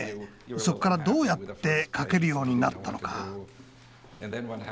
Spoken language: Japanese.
そこからどうやって描けるようになったのか。